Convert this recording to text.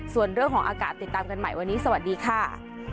ส่วนเรื่องของอากาศติดตามกันใหม่วันนี้สวัสดีค่ะ